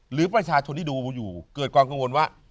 หรือประชาชนที่ดูอยู่เกิดความกังวลว่า